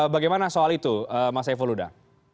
bagaimana soal itu mas saiful huda